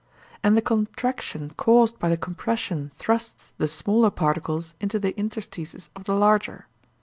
And the contraction caused by the compression thrusts the smaller particles into the interstices of the larger.